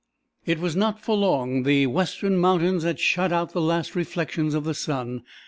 It was not for long. The western mountains had shut out the last reflections of the sun.